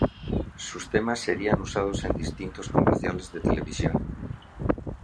Sus temas serían usados en distintos comerciales de televisión.